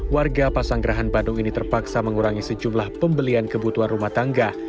warga pasanggerahan bandung ini terpaksa mengurangi sejumlah pembelian kebutuhan rumah tangga